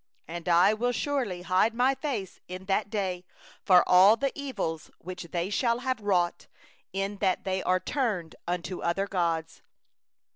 18And I will surely hide My face in that day for all the evil which they shall have wrought, in that they are turned unto other gods.